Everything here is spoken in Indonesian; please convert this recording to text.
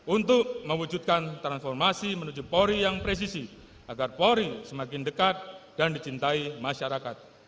untuk mewujudkan transformasi menuju polri yang presisi agar polri semakin dekat dan dicintai masyarakat